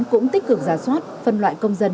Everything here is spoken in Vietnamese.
cũng tích cực giá soát phân loại công dân